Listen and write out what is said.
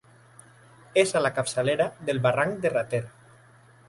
És a la capçalera del barranc de Rater.